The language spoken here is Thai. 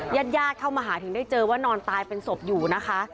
ญาติญาติเข้ามาหาถึงได้เจอว่านอนตายเป็นศพอยู่นะคะ